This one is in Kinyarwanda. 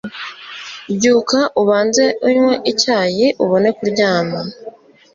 Byuka ubanze unywe icyayi ubone kuryama